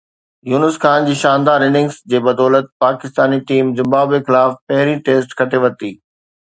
يونس خان جي شاندار اننگز جي بدولت پاڪستاني ٽيم زمبابوي خلاف پهرين ٽيسٽ کٽي ورتي